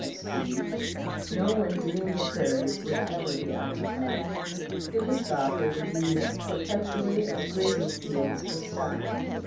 F. Speed, "no one dreamed the prairies would ever be occupied." It was thought they would be used perpetually as grazing fields for stock.